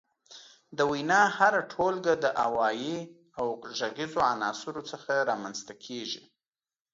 د وينا هره ټولګه د اوايي او غږيزو عناصرو څخه رامنځ ته کيږي.